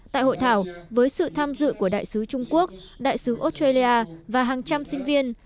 tại hội thảo với sự tham dự của đại sứ trung quốc đại sứ australia và hàng trăm sinh viên